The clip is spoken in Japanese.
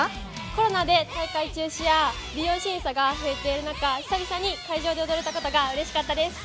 コロナで大会中止やビデオ審査が増えている中久々に会場で踊れたことがうれしかったです。